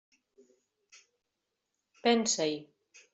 Pensa-hi.